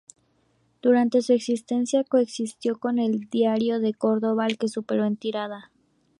Durante su existencia coexistió con el "Diario de Córdoba", al que superó en tirada.